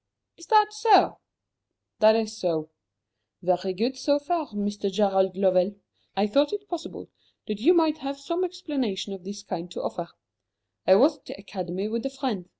"Is that so?" "That is so." "Very good, so far, Mr. Gerald Lovell. I thought it possible that you might have some explanation of this kind to offer. I was at the Academy with a friend.